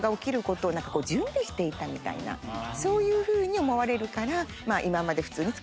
みたいなそういうふうに思われるから。